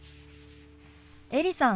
エリさん